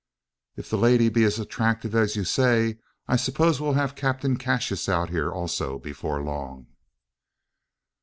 "If the lady be as attractive as you say, I suppose we'll have Captain Cassius out here also, before long?"